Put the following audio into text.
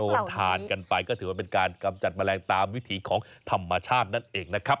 ทานกันไปก็ถือว่าเป็นการกำจัดแมลงตามวิธีของธรรมชาตินั่นเองนะครับ